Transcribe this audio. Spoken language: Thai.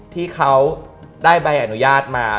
ที่เขาได้ใบอนุญาตมา